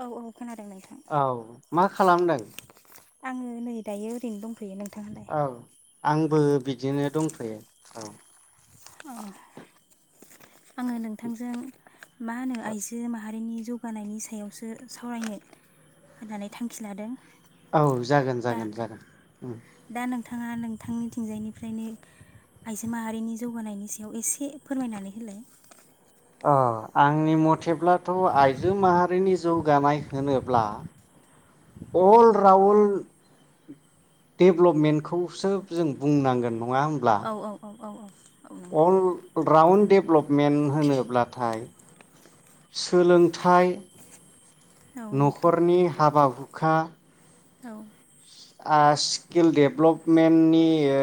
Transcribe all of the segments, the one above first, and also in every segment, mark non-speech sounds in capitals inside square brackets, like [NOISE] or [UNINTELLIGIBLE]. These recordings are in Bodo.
औ औ खोनादों नोंथां औ मा खालामदों? आङो नै दायो ओरैनो दं। दंथयो नोंथांहालाय? औ आंबो बिदिनो दंथ'यो औ। [INAUDIBLE] आङो नोंथांजों मा होनो आइजो माहारिनि जौगानायनि सायावसो सावरायनो होन्नानै थांखि लादों। औ जागोन दा जागोन जागोन उम दा नोंथाङा नोंथांनिथिंजायनिफ्रायनो आइजो माहारिनि जौगानायनि सायाव एसे फोरमायनानै होलाय? अ आंनि मथेब्लाथ' आइजो माहारिनि जौगानाय होनोब्ला अलराउन डेभ्लपमेन्टखौसो जों बुंनांगोन। औ औ औ औ औ औ नोंथां अलराउन्ड डेभ्लपमेन्ट होनोब्लाथाय सो लोंथाय औ नोंथां न'खरनि हाबा हुखा औ आ स्किल डेभ्लपमेन्टनि ओ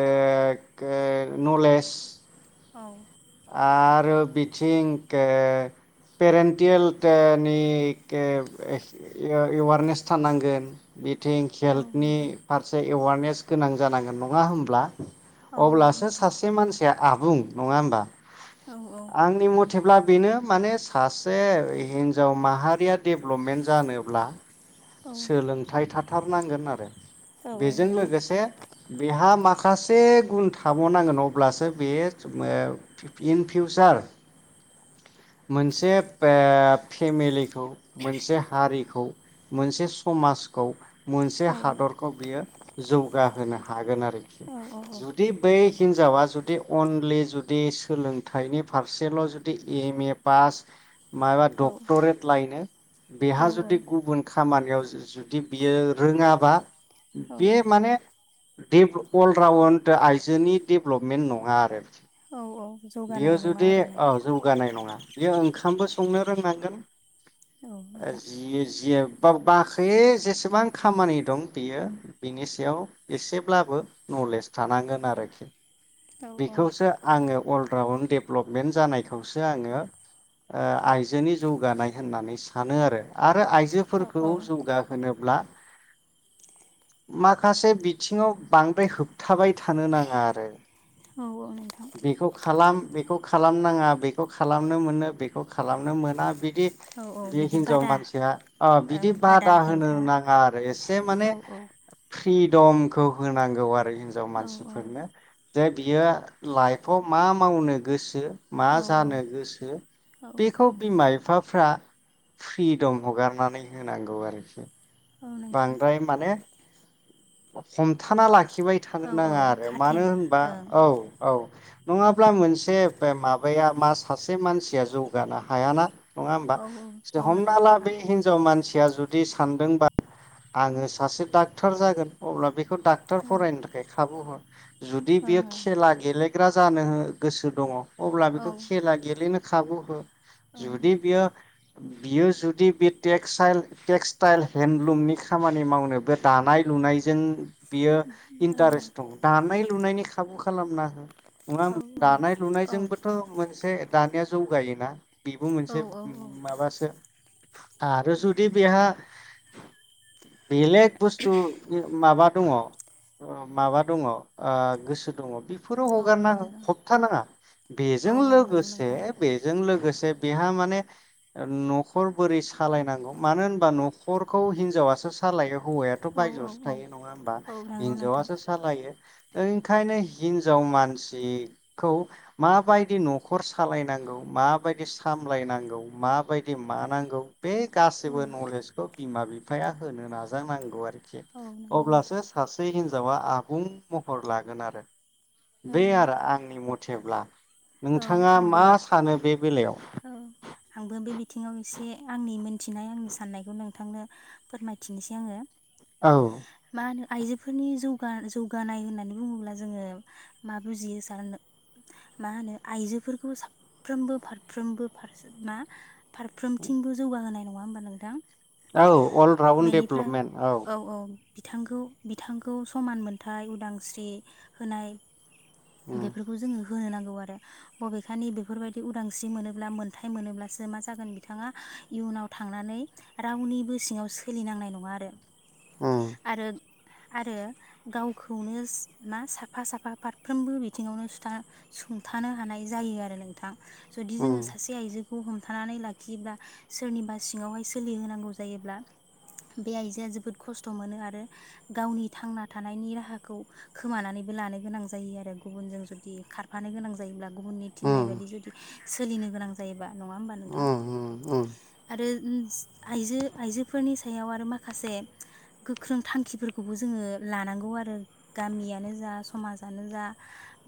गोल नलेज औ आरो बिथिं के पेरेन्टियेलथनि केब एएवारनेस थानांगोन बि थिं औ हेल्थनि नोंथां फारसे एवारनेस गोनां जानांगोन नङा होमब्ला? औ औ अब्लासो नोंथां सासे मानसिया आबुं नङा होमबा? औ आंनि मथेब्ला बेनो माने सासे हिनजाव माहारिया डेभलपमेन्ट जानोब्ला औ सोलोंथाइ थाथारनांगोन आरो बेजों नोंथां लोगोसे बेहा मा माखासे गुन थाबावनांगोन अब्लासो बे ओ इन फिउचार मोनसे ओब फेमिलि खौ मोनसे हारि खौ मोनसे समाजखौ मोनसे औ हादरखौ बियो जौगाहोनो हागोन आरो औ जुदि बै हिनजावा जुदि अनलि जुदि सोलोंथाइनि फारसेल' जुदि एम ए पास माबा डक्टरेट लायनो औ बेहा औ जुदि गुबुन खामानियाव जु-जुदि बियो रोङाबा औ औ बे माने बे अलराउन्ड आइजोनि डेभेलपमेन्ट नङा आरो औ औ बेयो जौगानाय नङा जुदि आरोना औ जौगानाय नङा। बियो ओंखामबो संनो रोंनांगोन औ नोंथां जि जियेब बा बाखै जेसेबां खामानि दं बियो बिनि सायाव एसेब्लाबो नलेज थानांगोन आरोखि औ औ बेखौसो आङो अल रावन्द डेभेलपमेन्ट जानायखौसो आङो ओ आइजोनि जौगानाय होननानै सानो आरो आरो आइजो औ फोरखौ औ जौगाहोनोब्ला [INAUDIBLE] माखासे बिथिङाव बांद्राय होबथाबाय थानो नाङा आरो। औ औ नोंथां बेखौ खालाम बेखौ खालामनाङा बेखौ खालामनो मोनो बेखौ खालामनो मोना बिदि औ औ बे बिदि हिनजाव बादा मानसिया अ ओं बिदि बादा होनो हेंथा नाङा आरो एसे माने औ औ फ्रि दमखौ होनांगौ आरो हिनजाव औ मानसिफोरनो। जे बियो लाइफआव मा मावनो गोसो मा औ जानो औ गोसो औ बेखौ बिमा बिफा फ्रा फ्रि दम हगारनानै होनांगौ आरो एसे। औ नोंथां बांद्राय माने हमथाना ला खिबाय थानो औ औ नाङा आरो खाथेन मानो होनबा ओं औ औ नङाब्ला मोनसे बे माबाया मा सासे मानसिया जौगानो हायाना। नङा होमबा औ औ औ हमना? नंगौ ला नोंथां बे हिनजाव मानसि या जुदि सानदोंबा आङो सासे डाक्टर जागोन अब्ला बे खौ डाक्टर फरायनो थाखाय खाबु हो। जुदि बियोे औ खेला गेले ग्रा जानो गोसो दङ। अब्ला बेखौ ओं खेला गेलेनो खाबु हो। ओं जुदि बियो बियो जुदि बे टेक्स साइल टेक्सटाइल हेन्दन्दलुमनि खामानि मावनो बे दानाय लुनाय जों बियो औ इन्टारेस्ट दं दानाय लुनायनि खाबु खालामना हो, नङा औ होम- दानाय औ लुनायजोंबोथ' मोनसे दानिया जौगायो ना? बिबो मोनसे औ औ माबासो आरो जुदि बिहा बेलेग बस्थु माबा दङ [INAUDIBLE] अ माबा दङ अ गोसो दङ फोराव हगारना औ हो जों होबथा नाङा औ बेजों औ नंगौ लोगोसे नोंथां बेजों लोगोसे बेहा माने न'खर बोरै सालायनांगौ मानो होनबा न'खरखौ हिनजावासो सालायो हौवायाथ' औ बायजोस। औ थायो नङा होमबा औ नंगौ नोंथां हिनजावआसो सालायो। ओंखायनो हिनजाव मानसिखौ माबायदि न'खर सालायनांगौ माबायदि सामलायनांगौ माबाय दि मा नांगौ बे औ गासिबो नलेजखौ बिमा बि बिफाया होनो नाजानांगौ आरो। थेक। औ नंगौ नोंथां अब्लासो सासे हिन जावा आबुं महर लागोन आरो। बे औ आरो आंनि मथेब्ला। औ नोंथाङा मा आंबो सानो बे बेलायाव? औ आंबो बे बिथिङाव एसे आंनि मोनथिनाय आंनि साननायखौ नोंथांनो फोरमायथिनोसै आङो। औ। मा होनो आइजोफोरनि जौगा जौगानाय होननानै बुङोब्ला जोङो मा बुजियो सार मा होनो आइजोफोरखौ साफ्रोमबो फारफ्रोमबो फारसे ना फारफ्रोमथिंबो जौगाहोनाय नङा होमबा नोंथां? औ अल राउन्द बेनिफ्राय डेभलपमेन्ट औ। बिथांखौ बिथांखौ समान मोनथाय उदांस्रि होनाय। उम बेफोरखौ जोङो। होनो नांगौ आरो। बबेखानि बेफोरबायदि उदांस्रि मोनोब्ला मोनथाय मोनोब्लासो मा जागोन बिथाङा इयुनाव थांनानै रावनिबो सिङाव सोलिनांनाय नङा आरो। उम आरो आरो गावखौनो मा साफा साफा फारफ्रोमबो बिथिङावनो सुथा सुं थानो हानाय जायो आरो नोंथां। जुदि जोङो सासे आइजो खौ हमथानानै लाखियोब्ला सोरनिबा सिङावहाय सोलिहोनांगौ जायोब्ला बे आइजोआ जोबोद खस्थ' मोनो आरो गावनि थांना थानायनि राहाखौ खोमानानैबो लानो गोनां जायो आरो गुबुनजों जुदि खारफानो गोनां जा [UNINTELLIGIBLE] गुबुननि थिन्नाय उम बायदि जुदि सोलिनो गोनां जायोबा। नङा होमबा नोंथां उम उम आरो उ आइजो आइजोफोरनि सायाव आरो माखासे गोख्रों थांखिफोरखौबो जोङो लानांगौ आरो गामियानो जा समाजानो जा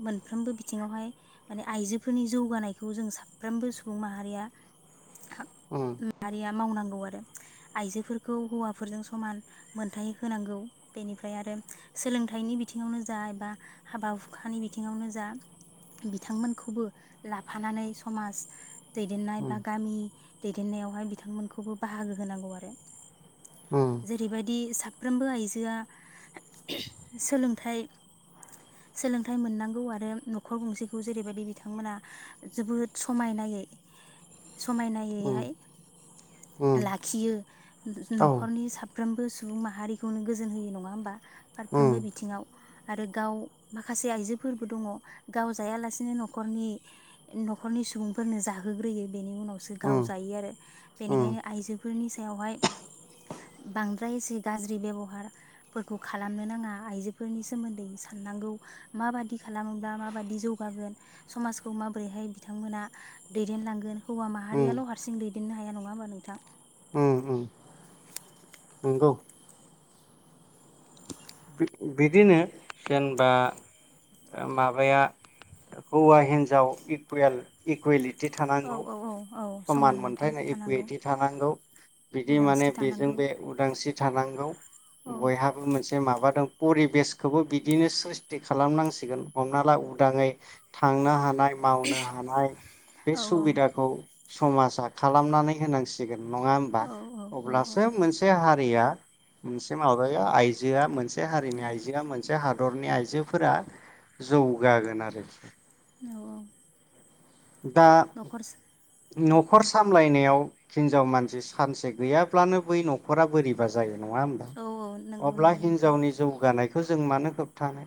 मोनफ्रोमबो बिथिङावहाय। माने आइजोफोरनि जौगानायखौ जों साफ्रोमबो सुबुं माहारिया उम मारिया मावनां। गौ आरो आइजोफोरखौ हौवाफोरजों समान मोनथाय होनांगौ बेनिफ्राय आरो सोलोंथाइनि बिथिङावनो जा एबा हाबा हुखानि बिथिङावनो जा। बिथांमोनखौबो लाफानानै समाज दैदेननाय उम बा गामि दैदेननायावहाय बिथांमोनखौबो बाहागो होनांगौ आरो उम जेरैबायदि सा साफ्रोमबो आइजोआ सोलोंथाइ सोलोंथाइ मोननांगौ आरो नखर गंसेखौ जेरैबायदि बिथांमोना जोबोद समायनायै उम समायनायैहाय उम लाखियो औ न'खरनि सा फारफ्रोमबो सुबुं माहारिखौनो गोजोन होयो नङा होमबा उम फारफ्रोमबो बिथिङाव आरो गाव माखासे आइजोफोरबो दङ। गाव जायालासिनो न'खरनि न'खरनि सुबुंफोरनो जाहोग्रोयो बेनि उनावसो उम गाव जायो आरो बेनिखायनो आइजोफोरनि सायावहाय बांद्राय एसे गाज्रि बेबहारफोरखौ खालामनो नाङा आइजोफोरनि सोमोन्दै साननांगौ माबादि खालामोबा मा माबादि जौगागोन समाजखौ माबोरैहाय बिथांमोना दैदेनलांगोन हौवा उम माहारियाल' हारसिं दै न्नो हाया नङा होमबा नोंथां उम उम नंगौ बिदिनो जेनेबा माबाया हौवा हिन्जाव इकुवेल इकुवलिटि थि औ थानांगौ औ औ औ समान मोनथाय मोनथायनाय थानांगौ इकुइेटि थानांगौ बिदि माने उदांस्रि बेजों थानांगौ बे उदांस्रि थानांगौ औ बयहाबो मोनसे माबा दं परिबेसखौबो बिदिनो स्रिस्टि खालामनांसिगोन हमना ला उदाङै थांनो हा नाय मावनो हानाय बे औ सुबिदाखौ समाजा खालामनानै होनांसिगोन नङा होमबा औ औ अब्लासो मोनसे हा गैया मोनसे माबाया आइजोआ मोनसे से हारिनि आइजोआ मोनसे हा दरनि आइजोफोरा जौगागोन आरो औ औ दा न'खर औ न'खर सामलायनायाव हिनजाव मानसि सानसे गैयाब्लानो बै न'खरा बोरैबा जायो। नङा होमबा औ औ नंगौ अब्ला नंगौ नोंथां हिनजावनि जौगानायखौ खौ जों मानो होबथानो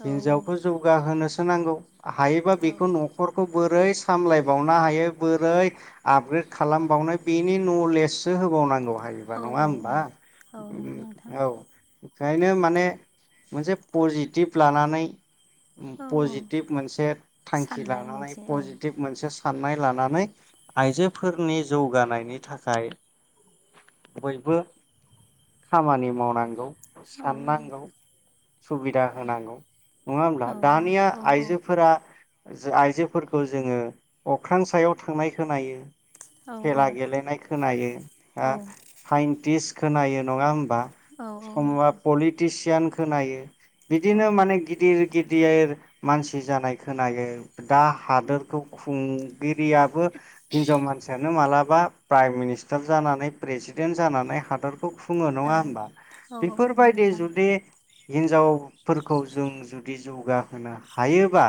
औ हिनजावखौ जौगाहोनोसो नांगौ हायोबा औ बेखौ न'खर बोरै सामलायबावनो हायो बोरै आपग्रेड खालामबावनो बेनि नलेजसो होबावनांगौ। हायोबा औ नङा होमबा औ औ नंगौ नोंथां औ ओंखायनो माने मोनसे पजिटिभ लानानै औ औ पजिटिभ मोनसे थांखि ला साननाय मोनसे औ पजिटिभ मोनसे। साननाय लानानै आइजोफोरनि जौगानायनि थाखाय बयबो खामानि मावनांगौ, औ साननांगौ, सुबिदा होनांगौ, नङा होमब्ला, औ दानिया औ आइजोफोरा आइजोफोरखौ जोङो अख्रां सायाव थांनाय खोनायो, औ खेला गेलेनाय खोनायो, हो औ साइन्टिस खोनायो नङा होमबा? औ औ समा नंगौ पलिटिसियान खोनायो। औ बिदिनो माने गिदिर गिदिर मानसि जानाय खोनायो। दा हादोरखौ खुंगिरियाबो हिनजाव मानसियानो मालाबा प्राइम मिनिस्टार जानानै प्रेसिडेन्ट जानानै हादर खौ खुङो नङा होमबा? औ औ नंगौ बेफोरबायदि नोंथां जुदि हिन्जावफोरखौ जों जुदि जौगाहोनो हायोबा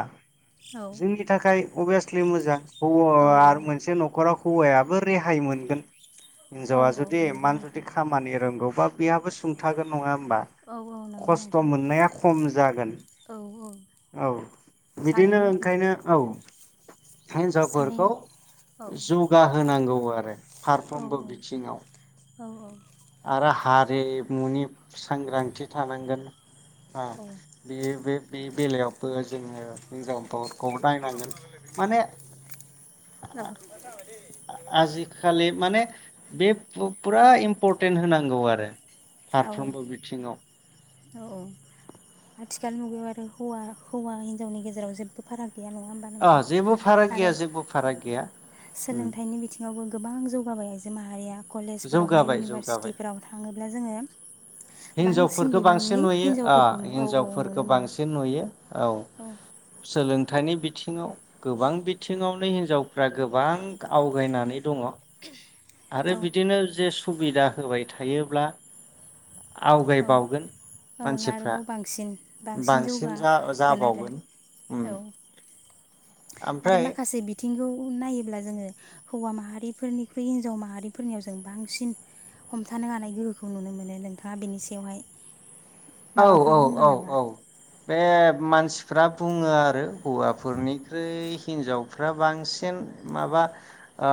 औ जोंनि थाखाय अभियासलि मोजां। औअ औ आरो मोनसे न'खराव हौवाया बो रेहाय मोनगोन। औ औ हिन्जावा औ जुदि नंगौ इमान जुदि नोंथां खामानि रोंगौ बा बेहाबो सुंथागोन नङा होमबा? औ औ नंगौ खस्थ' नोंथां मोननाया खम जागोन, औ औ बिदिनो सानैनि खायनो औ। हेन्जावफोरखौ सानै औ जौगाहोनांगौ। गौ आरो। औ फारफ्रोमबो बिथिङाव औ आरो हार रिमुनि सांग्रांथि थानांगोन। आ बियो बे बे बेलायावबो जोङो हिनजाव खौ दायनांगोन माने आ-आजिखालि माने बे पु-पुरा इम्परटेन्ट होनांगौ आरो। फारफ्रोमबो बिथिङाव। औ औ। थिखाल मुगायाव आरो हौवा हौवा हिन्जावनि गेजेराव जेब्बो फाराग गैया नङा होनबा अ नोंथां जेबो फाराग आरो गैया जेबो फाराग गैया उम सोलोंथाइनि बिथिङावबो गोबां जौगाबाय आइजो माहारिया। कलेजफोरावहाय जौगाबाय इउनिभारसिटिफोराव थाङोब्ला जोङो हिनजावफोर बांसिन बेखौ बांसिन बिबांनि नुयो आ हिन्जावफोरखौ औ औ नुनो हिनजावफोरखौ मोनो बांसिन नुयो। औ औ सोलों सोलोंथाइनि बिथिङाव गोबां बिथिङावनो हिनजावफ्रा गोबां आवगायनानै दङ। आरो औ बिदिनो जे सुबिदा होबाय थायोब्ला औ आवगायबावगोन। ओं मानसिफ्रा आरोबाव बांसिन बांसिन जा- जौगागोन आरो जाबावगोन ओम, औ आरो माखासे बिथिं बिथिंखौ नायोब्ला जोङो हौवा माहारिफोरनिख्रुइ हिनजाव माहारिफोरनियाव जों बांसिन हमथानो हानाय गोहोखौ नुनो मोनो। नोंथाङा बेनि सायावहाय माबाफोर बुंगोन नामा? औ-औ-औ-औ बे मानसिफ्रा बुङो आरो हौवाफोरनिख्रुइ हिनजावफ्रा बांसिन माबा ओ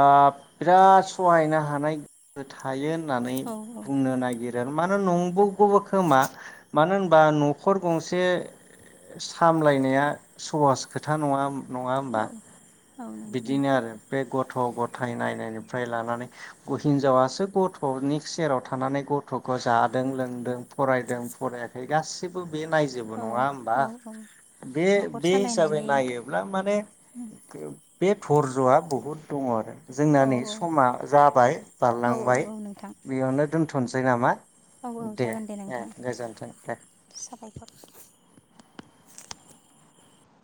बिराद सहायनो हानाय गोहो थायो होननानै औ बुंनो नागिर मानो नंगौ गौबो खोमा मानो होनबा न'खर गंसे सामलायनाया सहस खोथा नङा। नङा औ होमबा? औ नंगौ बिदिनो नोंथां आरो बे गथ' गथ'-गथाय नायनायनिफ्राय लानानै हिनजावासो गथ'नि सेराव थानानै गथ'खौ जादों-लोंदों, फरायदों- फरायाखै गासिबो बे नायजोबो औ नङा होनबा औ औ बे न'खर बे हिसाबै सालायनायनि नायोब्ला माने बे धर्ज'आ बहुद दङ आरो जोंना औ नै समा जाबाय औ औ बारलांबाय बेयावनो दोन दोनथ'नोसै नामा? औ-औ जागोन दे ए नोंथां गोजोन्थों दे साबायखर।